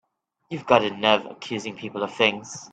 You've got a nerve accusing people of things!